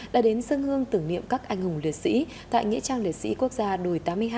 đã đến sân hương tưởng niệm các anh hùng liệt sĩ tại nghĩa trang liệt sĩ quốc gia đùi tám mươi hai